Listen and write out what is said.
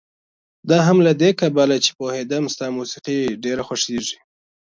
دا هم له دې کبله چې پوهېدم ستا موسيقي ډېره خوښېږي.